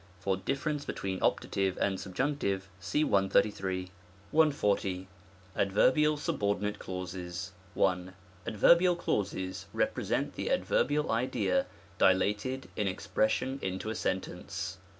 For difference between optative and subjunctive, see §133. §140. Adverbial Subordinate Clauses. 1. Adverbial clauses represent the adverbial idea dilated in expression into a sentence.